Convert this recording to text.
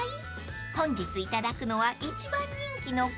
［本日いただくのは一番人気のこちら］